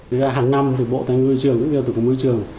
thực ra hàng năm thì bộ tài nguyên trường cũng như tổng cục môi trường